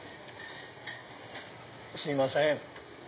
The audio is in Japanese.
すいません。